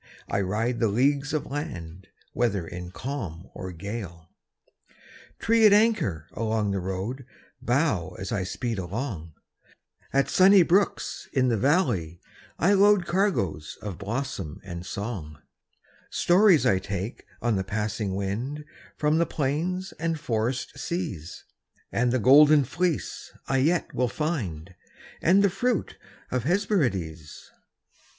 I ride the leagues of land. Whether in calm or gale. 38 Preparedness Trees at anchor along the road Bow as I speed along; At sunny brooks in the valley I load Cargoes of blossom and song; Stories I take on the passing wind From the plains and forest seas, And the Golden Fleece I yet will find, And the fruit of Hesperides.